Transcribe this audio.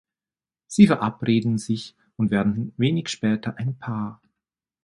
Sie verabreden sich und werden wenig später ein Paar.